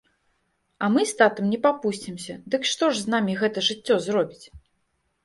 А мы з татам не папусцімся, дык што ж з намі гэта жыццё зробіць?